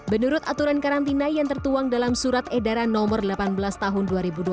menurut aturan karantina yang tertuang dalam surat edaran no delapan belas tahun dua ribu dua puluh